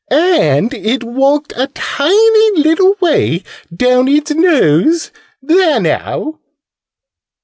And it walked a tiny little way down its nose! There now!"